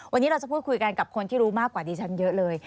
วันนี้เราจะพูดคุยกันกับคนที่รู้มากกว่าดิฉันเยอะเลย